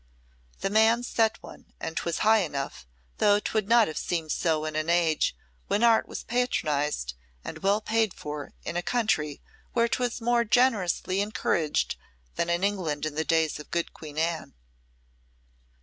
The man set one and 'twas high though 'twould not have seemed so in an age when art was patronised and well paid for in a country where 'twas more generously encouraged than in England in the days of good Queen Anne.